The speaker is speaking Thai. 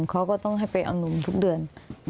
เขาก็ต้องให้ไปเอานมทุกเดือน